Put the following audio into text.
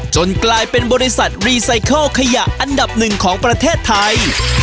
จนกลายเป็นบริษัทรีไซเคิลขยะอันดับหนึ่งของประเทศไทย